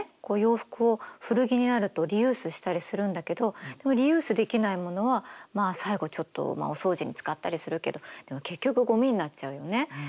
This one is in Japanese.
こう洋服を古着になるとリユースしたりするんだけどでもリユースできないものはまあ最後ちょっとお掃除に使ったりするけど結局ごみになっちゃうよね。